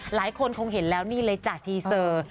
หลายคนคงเห็นแล้วนี่เลยจ้ะทีเซอร์